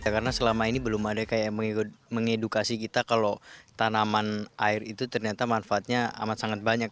karena selama ini belum ada yang mengedukasi kita kalau tanaman air itu ternyata manfaatnya amat sangat banyak